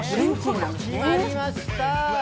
決まりました。